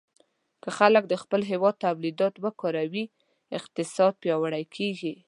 که خلک د خپل هېواد تولیدات وکاروي، اقتصاد پیاوړی کېږي.